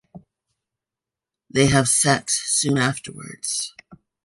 They have sex soon afterwards.